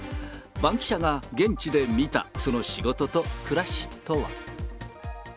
バンキシャが現地で見たその仕事と暮らしとは。